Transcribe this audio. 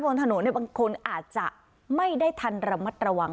บนถนนบางคนอาจจะไม่ได้ทันระมัดระวัง